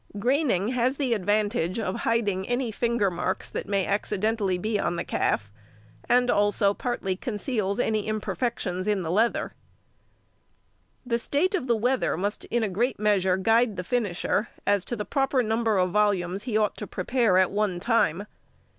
Graining has the advantage of hiding any finger marks that may accidentally be on the calf, and also partly conceals any imperfections in the leather. |145| The state of the weather must in a great measure guide the finisher as to the proper number of volumes he ought to prepare at one time.